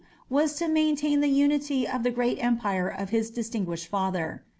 was to maintain the unity of the great empire of his distinguished father.